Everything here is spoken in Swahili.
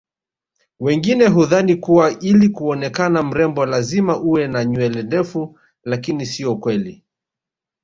wengine hudhani kuwa ili kuonekana mrembo lazima uwe na nywele ndefu lakini sio kweli